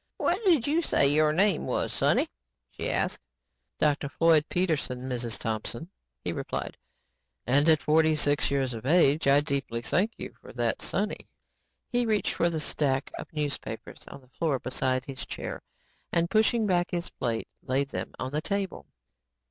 "What did you say your name was, sonny?" she asked. "Dr. Floyd Peterson, Mrs. Thompson," he replied, "and at forty six years of age, I deeply thank you for that 'sonny'." He reached for the stack of newspapers on the floor beside his chair and pushing back his plate, laid them on the table.